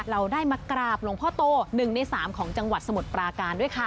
เราได้มากราบหลวงพ่อโต๑ใน๓ของจังหวัดสมุทรปราการด้วยค่ะ